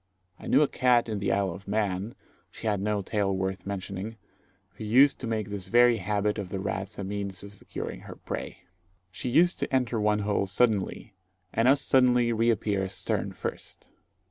I knew a cat in the Isle of Man she had no tail worth mentioning who used to make this very habit of the rabbits a means of securing her prey. She used to enter one hole suddenly, and as suddenly reappear stern first.